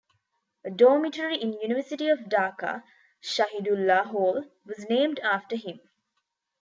A dormitory in University of Dhaka, Shahidullah Hall, was named after him.